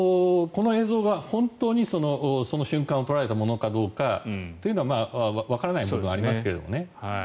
この映像が本当にその瞬間を捉えたものかどうかわからない部分はありますけどね。